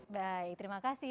baik terima kasih